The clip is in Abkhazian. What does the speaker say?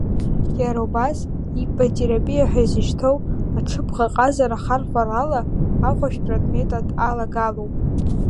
Иара убас, иппотерапиа ҳәа изышьҭоу, аҽыбӷаҟазара ахархәарала ахәышәтәратә метод алагалоуп.